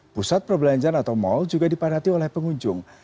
pusat perbelanjaan atau mal juga dipadati oleh pengunjung